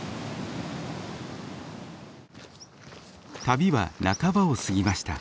旅は半ばを過ぎました。